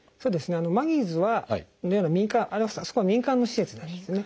マギーズのようなあそこは民間の施設なんですね。